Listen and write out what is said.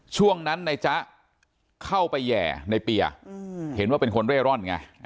ช่วงนั้นในจ๊ะเข้าไปแห่ในเปียเห็นว่าเป็นคนเร่ร่อนไง